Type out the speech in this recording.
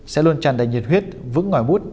sẽ luôn tràn đầy nhiệt huyết vững ngoài bút